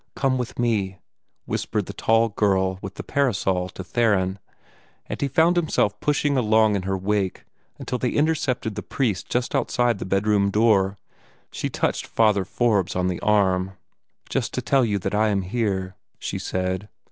"Come with me," whispered the tall girl with the parasol to Theron; and he found himself pushing along in her wake until they intercepted the priest just outside the bedroom door. She touched Father Forbes on the arm. "Just to tell you that I am here," she said.